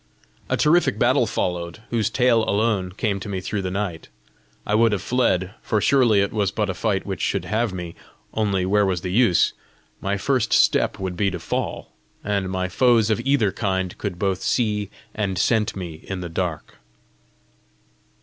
A terrific battle followed, whose tale alone came to me through the night. I would have fled, for surely it was but a fight which should have me! only where was the use? my first step would be a fall! and my foes of either kind could both see and scent me in the dark!